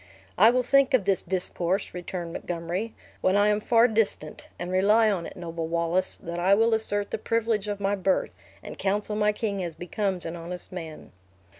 "I will think of this discourse," returned Montgomery, "when I am far distant; and rely on it, noble Wallace that I will assert the privilege of my birth, and counsel my king as becomes an honest man."